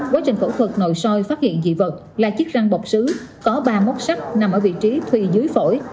quá trình phẫu thuật nồi soi phát hiện dị vật là chiếc răng bọc xứ có ba mốt sắp nằm ở vị trí thùy dưới phổi